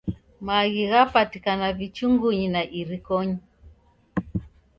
Magi ghapatikana vichungunyi na irikonyi.